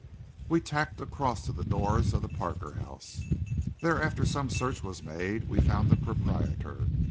We tacked across to the doors of the Parker House. There after some search was made we found the proprietor.